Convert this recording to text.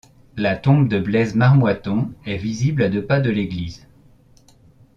La tombe de Blaise Marmoiton est visible à deux pas de l'église.